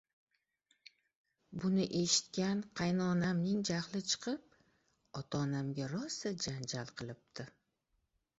Buni eshitgan qaynonamning jahli chiqib, ota-onamga rosa janjal qilibdi